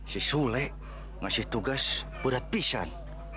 si sule ngasih tugas berat pisang